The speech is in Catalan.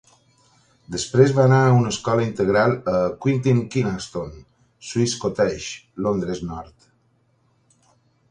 Després va anar a una escola integral a Quintin Kynaston, Swiss Cottage, Londres nord.